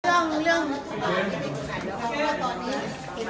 เรื่องรัฐบาลยังไม่คุยไหน